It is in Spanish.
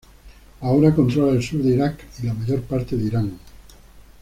Ahora controla el sur de Irak y la mayor parte de Irán.